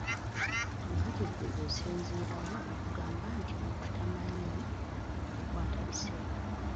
Kaakati ggwe osinziira wa okugamba nti omuntu tamanyi kukwata biseera?